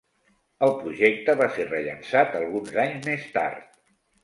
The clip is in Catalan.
El projecte va ser rellançat alguns anys més tard.